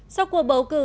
sau cuộc bầu cử